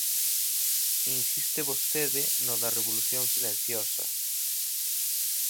Insiste vostede no da revolución silenciosa.